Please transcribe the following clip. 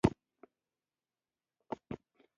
احمدشاه بابا د وطن د عزت ساتنه مقدسه دنده ګڼله.